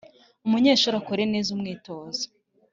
umunyeshuri akore neza umwitozo